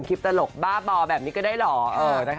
ตลกบ้าบอแบบนี้ก็ได้เหรอ